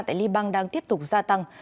tại liban đang tiếp tục gia tăng